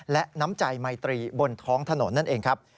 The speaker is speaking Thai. และน้ำใจไมตรีบนท้องถนนนั่นเองครับ